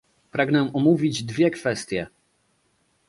Pragnę omówić dwie kwestie